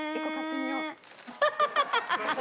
ハハハハ！